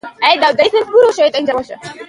د کلیزو منظره د افغانستان طبعي ثروت دی.